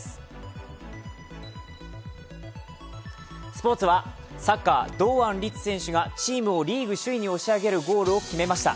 スポーツはサッカー、堂安律選手がチームをリーグ首位に押し上げるゴールを決めました。